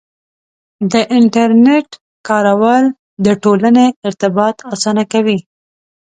د انټرنیټ کارول د ټولنې ارتباط اسانه کوي.